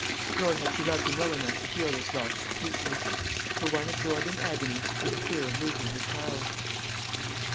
Nor had she loved him well enough to feel this loss acutely. Her one absorbing agony was the fear of losing her child.